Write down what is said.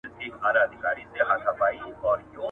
هر ډول فساد د حکومت د پاشل کېدو لامل ګرځي.